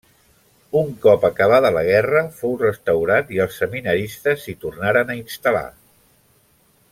Un cop acabada la Guerra fou restaurat i els seminaristes s'hi tornaren a instal·lar.